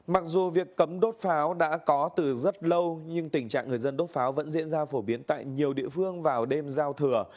mặc dù việc cấm đốt pháo đã có từ rất lâu nhưng tình trạng người dân đốt pháo vẫn diễn ra phổ biến tại nhiều địa phương vào đêm giao thừa